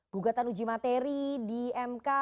gugatan uji materi di mk